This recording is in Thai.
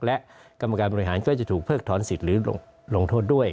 และกรรมการบริหารก็จะถูกเพิกถอนสิทธิ์หรือลงโทษด้วย